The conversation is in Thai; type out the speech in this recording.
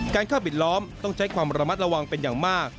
การเข้าปิดล้อมต้องใช้ความระมัดระวังเป็นอย่างมาก